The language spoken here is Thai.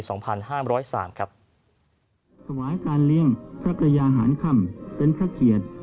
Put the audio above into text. ถวายการเลี้ยงพระกระยาหารค่ำเป็นพระเกียรติ